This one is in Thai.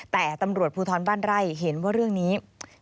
แต่ตำรวจภูทรบ้านไร่เห็นว่าเรื่องนี้